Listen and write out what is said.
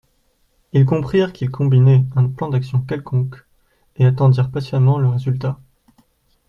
Ils comprirent qu'il combinait un plan d'action quelconque, et attendirent patiemment le résultat.